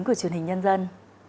của truyền hình nhân dân